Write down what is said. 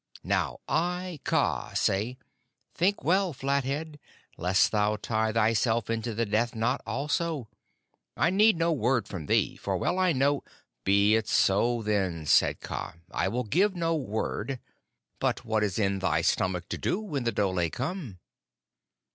Now I, Kaa, say " "Think well, Flathead, lest thou tie thyself into the death knot also. I need no Word from thee, for well I know " "Be it so, then," said Kaa. "I will give no Word; but what is in thy stomach to do when the dhole come?"